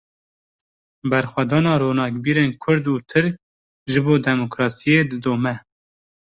Berxwedana ronakbîrên Kurd û Tirk, ji bo demokrasiyê didome